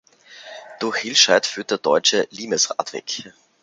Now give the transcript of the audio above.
Durch Hillscheid führt der Deutsche Limes-Radweg.